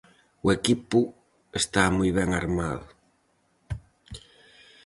O equipo está moi ben armado.